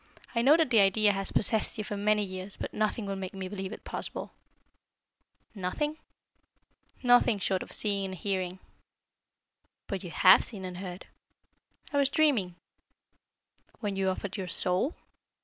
I know that the idea has possessed you for many years, but nothing will make me believe it possible." "Nothing?" "Nothing short of seeing and hearing." "But you have seen and heard." "I was dreaming." "When you offered your soul?"